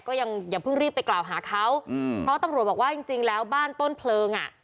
ก็ยังอย่าเพิ่งรีบไปกล่าวหาเขาเพราะตังหลวงบอกว่าจริงแล้วบ้านต้นเพลิง